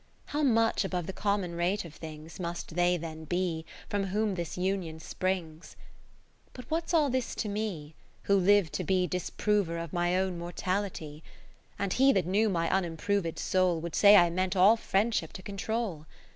How much above the common rate of things Must they then be, from whom this union springs t But what's all this to me, who live to be Disprover of my own mortality ? 20 And he that knew my unimproved soul. Would say I meant all friendship to control.